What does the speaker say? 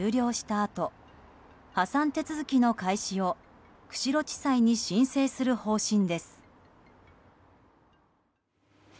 あと破産手続きの開始を釧路地裁に申請する方針です。